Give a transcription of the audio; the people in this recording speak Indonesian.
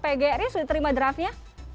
pak egya ini sudah terima draftnya